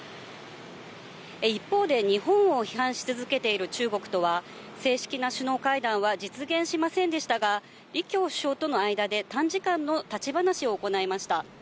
一方で日本を批判し続けている中国とは、正式な首脳会談は実現しませんでしたが、李強首相との間で短時間の立ち話を行いました。